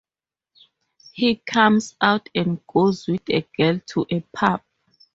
He comes out and goes with a girl to a pub.